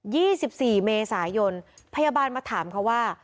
ี่สิบสี่เมษายนพยาบาลมาถามเขาว่า